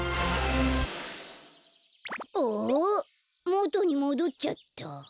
もとにもどっちゃった！